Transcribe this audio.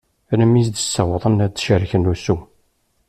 Alammi d ass i ssawḍen ad cerken ussu.